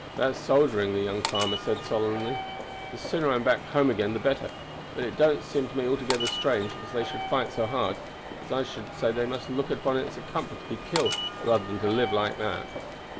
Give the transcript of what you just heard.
"If that's soldiering," the young farmer said solemnly, "the sooner I am back home again the better. But it don't seem to me altogether strange as they should fight so hard, because I should say they must look upon it as a comfort to be killed rather than to live like that."